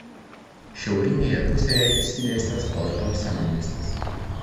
Šiaurinėje pusėje išsidėstęs Porto senamiestis.